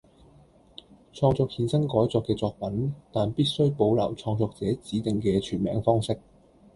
創作衍生改作嘅作品，但必須保留創作者指定嘅全名方式